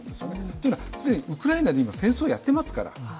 というのは既にウクライナで戦争やってますから。